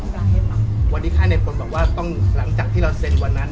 ธุระให้มาวันนี้ข้างในคนบอกว่าต้องหลังจากที่เราเซ็นวันนั้น